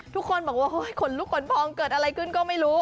ทุกคนบอกว่าขนลุกขนพองเกิดอะไรขึ้นก็ไม่รู้